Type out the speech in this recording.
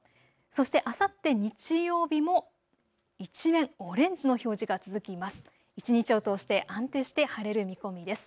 そして、あさって日曜日も一面、オレンジの表示が続きます。